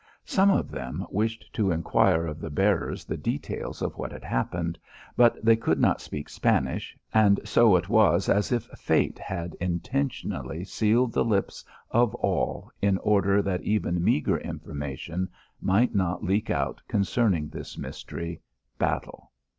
Some of them wished to inquire of the bearers the details of what had happened; but they could not speak Spanish, and so it was as if fate had intentionally sealed the lips of all in order that even meagre information might not leak out concerning this mystery battle.